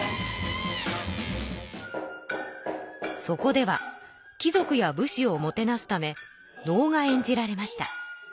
そこでは貴族や武士をもてなすため能が演じられました。